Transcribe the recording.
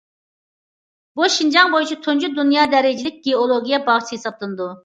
بۇ، شىنجاڭ بويىچە تۇنجى دۇنيا دەرىجىلىك گېئولوگىيە باغچىسى ھېسابلىنىدۇ.